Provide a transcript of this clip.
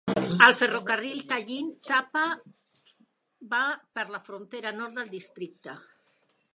El ferrocarril Tallinn - Tapa va per la frontera nord del districte.